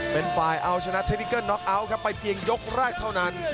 เป็นฝ่ายเอาชนะเทนิเกอร์น็อกเอาท์ครับไปเพียงยกแรกเท่านั้น